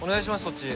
そっち。